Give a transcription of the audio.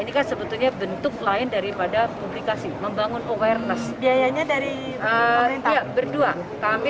ini kan sebetulnya bentuk lain daripada publikasi membangun awareness biayanya dari pihak berdua kami